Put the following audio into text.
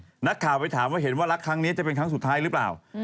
นักข่าวไปถามว่าเห็นว่ารักครั้งนี้จะเป็นครั้งสุดท้ายหรือเปล่า